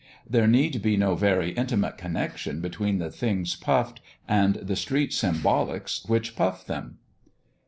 There need be no very intimate connexion between the things puffed and the street symbolics which puff them.